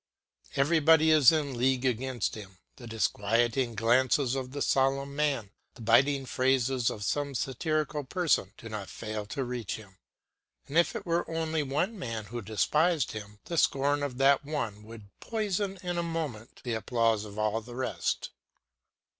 Everybody is in league against him; the disquieting glances of a solemn man, the biting phrases of some satirical person, do not fail to reach him, and if it were only one man who despised him, the scorn of that one would poison in a moment the applause of the rest.